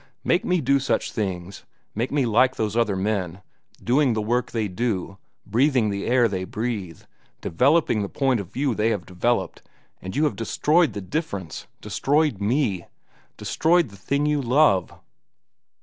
Make me do such things, make me like those other men, doing the work they do, breathing the air they breathe, developing the point of view they have developed, and you have destroyed the difference, destroyed me, destroyed the thing you love.